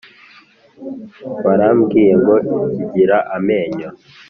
barambwiye ngo kigira amenyo